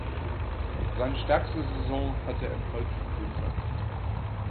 Seine stärkste Saison hatte er im folgenden Winter.